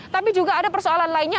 tapi juga ada persoalan lainnya